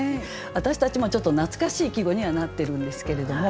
私たちもちょっと懐かしい季語にはなってるんですけれども。